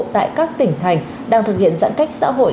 tại các tỉnh thành đang thực hiện giãn cách xã hội